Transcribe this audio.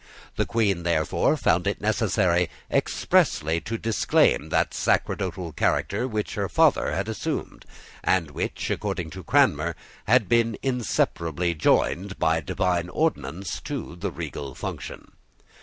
The Queen, therefore, found it necessary expressly to disclaim that sacerdotal character which her father had assumed, and which, according to Cranmer, had been inseparably joined, by divine ordinance, to the regal function.